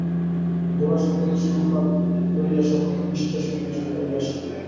গোরা সকলের সংবাদ লইয়া সকলকে মিষ্টসম্ভাষণ করিয়া আসিল।